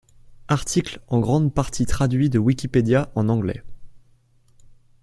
Article en grande partie traduit de Wikipédia en anglais.